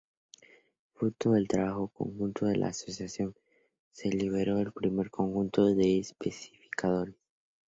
Fruto del trabajo conjunto de la asociación, se liberó el primer conjunto de especificaciones.